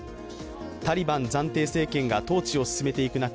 タリバン暫定政権が統治を進めていく中